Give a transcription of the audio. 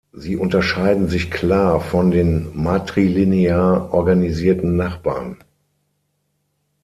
Sie unterscheiden sich klar von den matrilinear organisierten Nachbarn.